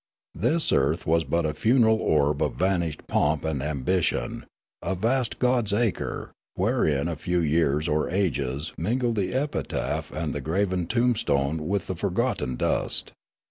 This earth was but a funeral orb of vanished pomp and ambition, a vast God's acre, wherein a few years or ages mingled the epitaph and the graven tombstone with the forgotten dust.